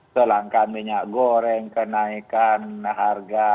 selangkan minyak goreng kenaikan harga